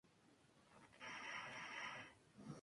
Necesita condiciones medias en cultivo.